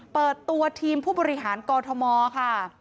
เปิดตัวทีมผู้บริหารกอทมค่ะ